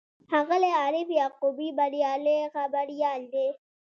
ښاغلی عارف یعقوبي بریالی خبریال دی.